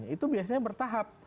itu biasanya bertahap